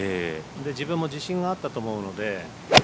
自分も自信があったと思うので。